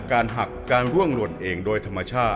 เหมือนเล็บแต่ของห้องเหมือนเล็บตลอดเวลา